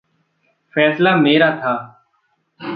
फैसला मेरा था।